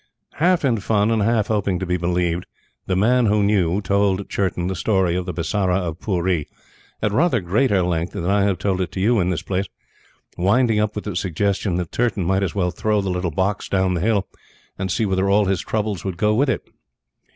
Half in fun, and half hoping to be believed, The Man who Knew told Churton the story of the Bisara of Pooree at rather greater length than I have told it to you in this place; winding up with the suggestion that Churton might as well throw the little box down the hill and see whether all his troubles would go with it.